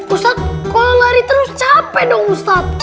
ustadz kau lari terus capek dong ustadz